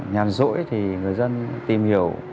nhàn rỗi thì người dân tìm hiểu